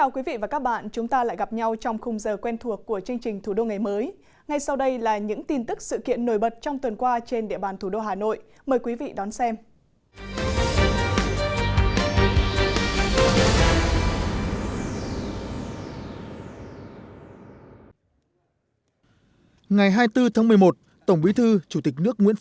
các bạn hãy đăng ký kênh để ủng hộ kênh của chúng mình nhé